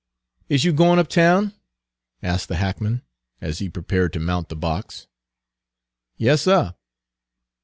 "Is you goin' uptown?" asked the hackman, as he prepared to mount the box. "Yas, suh."